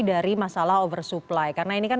dari masalah oversupply karena ini kan